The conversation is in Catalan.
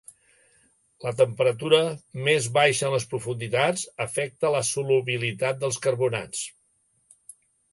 La temperatura, més baixa en les profunditats, afecta la solubilitat dels carbonats.